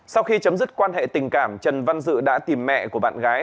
sau khi chấm dứt quan hệ tình cảm trần văn dự đã tìm mẹ của bạn gái